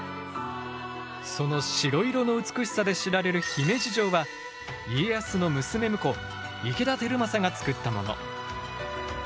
その白色の美しさで知られる姫路城は家康の娘婿池田輝政がつくったもの。